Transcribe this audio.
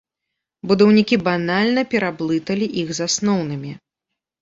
Будаўнікі банальна пераблыталі іх з асноўнымі.